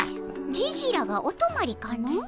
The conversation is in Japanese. ジジらがおとまりかの？